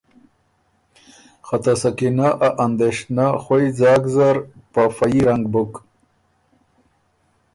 خه ته سکینۀ ا اندېشنۀ خوئ ځاک زر په فه يي رنګ بُک۔